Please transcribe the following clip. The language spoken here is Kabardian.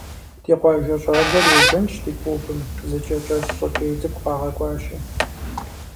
Ди къуажэ щӏалэр ежэнщ ди клубым зы кӏэ кӏэщӏ щӏыкӏей цӏыкӏу къагъэкӏуащи.